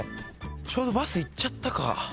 ちょうどバス行っちゃったか。